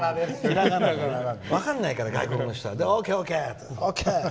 分からないから外国の人は。ＯＫ、ＯＫ！って。